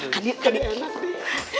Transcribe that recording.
kan enak deh